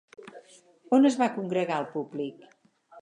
On es va congregar el públic?